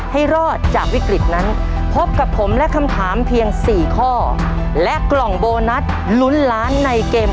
ให้รอดจากวิกฤตนั้น